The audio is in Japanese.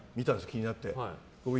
気になって。